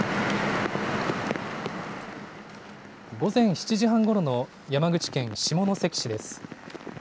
午前７時半ごろの山口県下関市です。